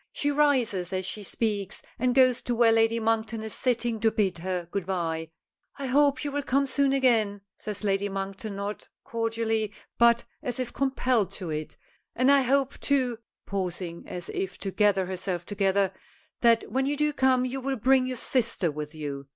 She rises as she speaks, and goes to where Lady Monkton is sitting to bid her good bye. "I hope you will come soon again," says Lady Monkton, not cordially, but as if compelled to it; "and I hope, too," pausing as if to gather herself together, "that when you do come you will bring your sister with you.